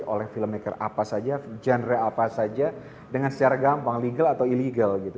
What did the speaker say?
oleh filmmaker apa saja genre apa saja dengan secara gampang legal atau ilegal gitu